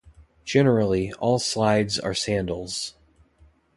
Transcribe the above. Generally, all slides are sandals.